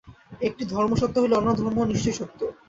একটি ধর্ম সত্য হইলে অন্যান্য ধর্মও নিশ্চয়ই সত্য।